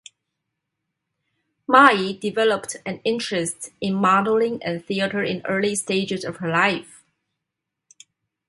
Mai developed an interest in modelling and theater in early stages of her life.